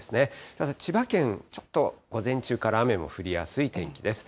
ただ千葉県、ちょっと午前中から雨も降りやすい天気です。